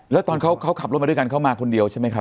แล้วตอนเขาขับรถมาด้วยกันเขามาคนเดียวใช่ไหมครับ